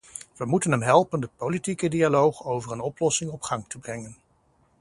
Wij moeten hem helpen de politieke dialoog over een oplossing op gang te brengen.